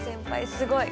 すごい！